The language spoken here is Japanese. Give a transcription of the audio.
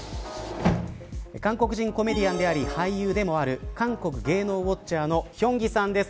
韓国人コメディアンであり俳優でもある韓国芸能ウォッチャーのヒョンギさんです。